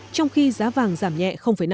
trong khi giá vàng giảm nhẹ năm